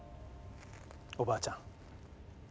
おばあちゃん。